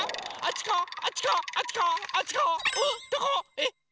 えっ？